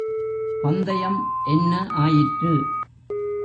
பந்தயம் என்ன ஆயிற்று?